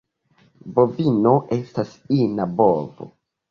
Bovino estas ina bovo.